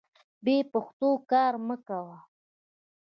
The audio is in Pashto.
بې پښتو کار مه کوه.